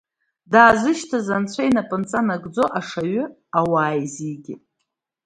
Даазышьҭыз анцәа инапынҵа нагӡо, Ашаҩы ауаа еизигеит.